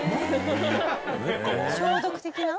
「消毒的な？」